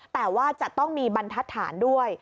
แต่ว่าจะต้องมีบรรทัศน์ด้วย